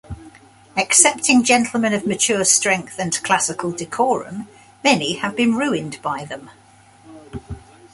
Excepting gentlemen of mature strength and classical decorum, many have been ruined by them.